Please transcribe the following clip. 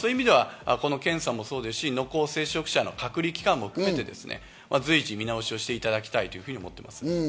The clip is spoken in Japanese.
そういう意味では検査もそうですし、濃厚接触者の隔離期間も含めて随時、見直しをしていただきたいと思っています。